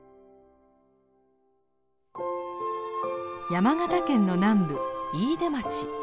山形県の南部飯豊町。